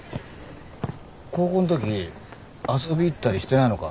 高校んとき遊び行ったりしてないのか？